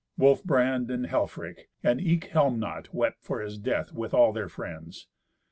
Wolfbrand and Helfrich and eke Helmnot wept for his death with all their friends.